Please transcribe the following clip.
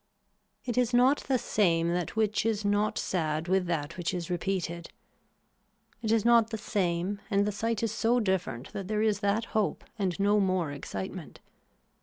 It is not the same that which is not sad with that which is repeated. It is not the same and the sight is so different that there is that hope and no more excitement.